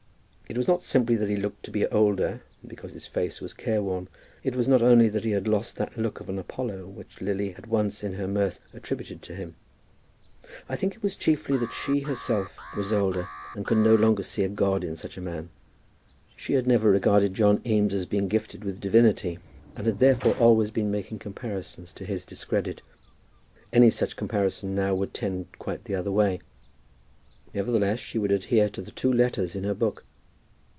It was not simply that he looked to be older, and because his face was careworn. It was not only that he had lost that look of an Apollo which Lily had once in her mirth attributed to him. I think it was chiefly that she herself was older, and could no longer see a god in such a man. She had never regarded John Eames as being gifted with divinity, and had therefore always been making comparisons to his discredit. Any such comparison now would tend quite the other way. Nevertheless she would adhere to the two letters in her book.